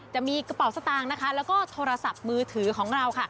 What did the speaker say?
จะมีกระเป๋าสตางค์นะคะแล้วก็โทรศัพท์มือถือของเราค่ะ